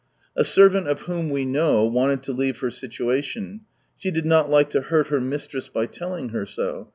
A servant of whom we know, wanted to leave her situation. She did not like to hurt her mistress by telling her so.